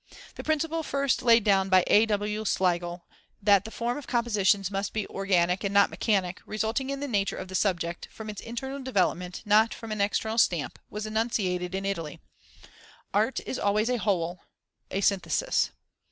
The principle first laid down by A.W. Schlegel, that the form of compositions must be organic and not mechanic, resulting from the nature of the subject, from its internal development not from an external stamp, was enunciated in Italy. Art is always a whole, a synthesis.